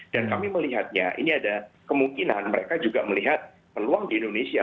dan kami melihatnya ini ada kemungkinan mereka juga melihat peluang di indonesia